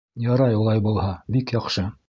— Ярай улай булһа, бик яҡшы.